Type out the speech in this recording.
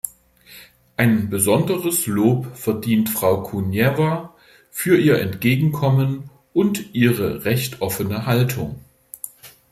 Ein besonderes Lob verdient Frau Kuneva für ihr Entgegenkommen und ihre recht offene Haltung.